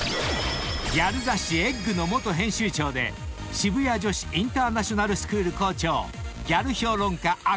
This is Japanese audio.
［ギャル雑誌『ｅｇｇ』の元編集長で渋谷女子インターナショナルスクール校長］